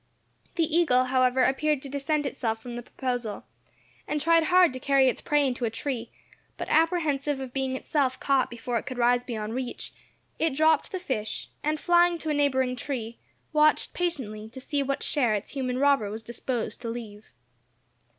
The eagle, however, appeared to dissent from the proposal, and tried hard to carry its prey into a tree, but apprehensive of being itself caught before it could rise beyond reach, it dropped the fish, and flying to a neighbouring tree, watched patiently to see what share its human robber was disposed to leave.